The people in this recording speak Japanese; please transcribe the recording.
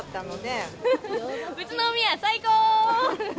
宇都宮、最高！